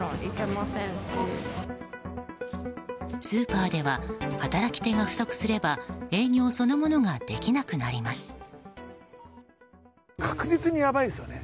スーパーでは働き手が不足すれば営業そのものができなくなります。